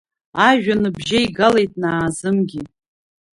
Ажәа ныбжьеигалеит Наазымгьы.